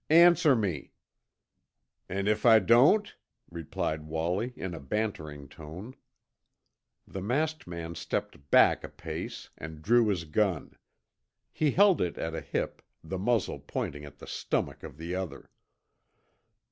"Answer me!" "An' if I don't?" replied Wallie in a bantering tone. The masked man stepped back a pace and drew his gun. He held it at a hip, the muzzle pointing at the stomach of the other.